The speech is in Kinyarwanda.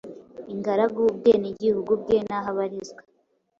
ingaragu), ubwenegihugu bwe n’aho abarizwa.